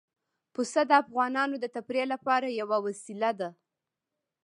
پسه د افغانانو د تفریح لپاره یوه وسیله ده.